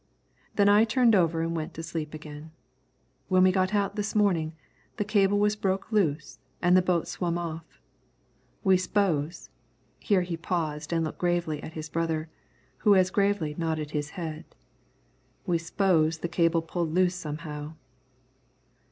Then I turned over an' went to sleep again. When we got out this mornin', the cable was broke loose an' the boat swum off. We s'pose," here he paused and looked gravely at his brother, who as gravely nodded his head, "we s'pose the cable pulled loose somehow."